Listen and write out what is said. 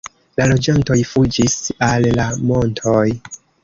La loĝantoj fuĝis al la montoj.